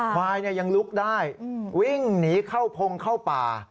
ควายยังลุกได้วิ่งหนีเข้าพงเข้าป่า